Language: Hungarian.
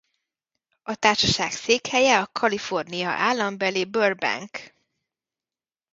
A társaság székhelye a Kalifornia állambeli Burbank.